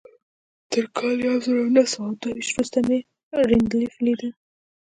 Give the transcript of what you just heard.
تر کال يو زر و نهه سوه دوه ويشت وروسته مې رينډالف ليده.